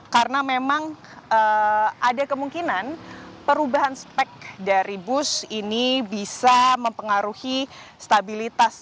karena memang ada kemungkinan perubahan spek dari bus ini bisa mempengaruhi stabilitas